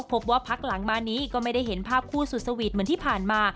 พบว่าพักหลังมานี้ก็ไม่ได้เห็นภาพคู่สุดสวีทเหมือนที่ผ่านมา